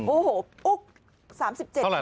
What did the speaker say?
โอ้โหอุ๊ก๓๗คน